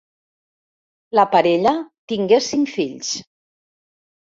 La parella tingué cinc fills.